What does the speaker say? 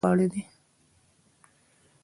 کچالو د مدرسې د شاګردانو خوښ خواړه دي